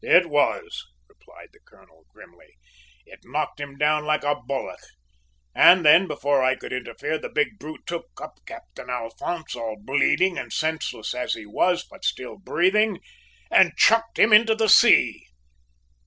"It was," replied the colonel grimly. "It knocked him down like a bullock, and then, before I could interfere, the big brute took up Captain Alphonse, all bleeding and senseless as he was, but still breathing, and chucked him into the sea.